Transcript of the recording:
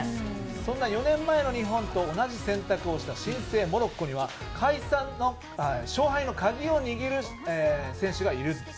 そんな４年前の日本と同じ選択をした新生モロッコには勝敗の鍵を握る選手がいると。